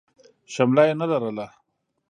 شمله يې نه لرله.